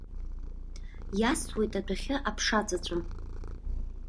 Иасуеит адәахьы аԥша ҵәыҵәы!